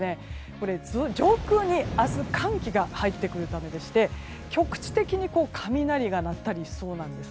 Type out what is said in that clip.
これ、上空に明日寒気が入ってくるためでして局地的に雷が鳴ったりしそうなんです。